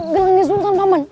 gelangnya sultan paman